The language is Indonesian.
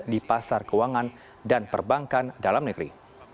di pasar keuangan dan perbankan dalam negeri